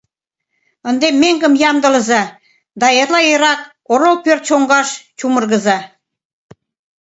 — Ынде меҥгым ямдылыза да эрла эрак орол пӧрт чоҥгаш чумыргыза...